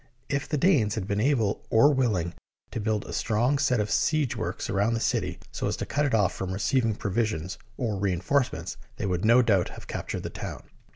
If the Danes had been able or willing to build a strong set of siege works around the city, so as to cut it off from receiving provisions or reinforcements, they would no doubt have captured the town.